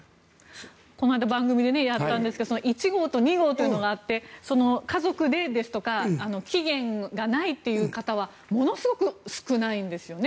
この間番組でやったんですけど１号と２号というのがあって家族でですとか期限がないという方はものすごく少ないんですよね